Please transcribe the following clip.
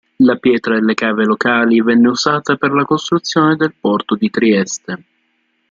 La pietra delle cave locali venne usata per la costruzione del porto di Trieste.